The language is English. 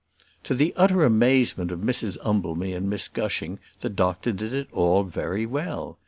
To the utter amazement of Mrs Umbleby and Miss Gushing, the doctor did it all very well.